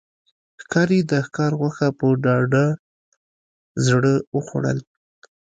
ښکاري د ښکار غوښه په ډاډه زړه وخوړل.